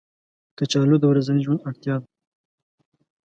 کچالو د ورځني ژوند اړتیا ده